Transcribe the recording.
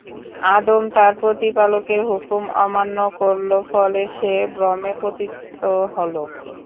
আদম তার প্রতিপালকের হুকুম অমান্য করল, ফলে সে ভ্রমে পতিত হলো।